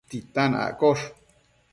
titan accosh